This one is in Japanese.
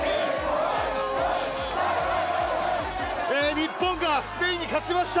日本がスペインに勝ちました。